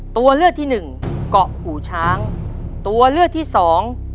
ตัวเลือกที่หนึ่งเกาะหูช้างตัวเลือกที่สอง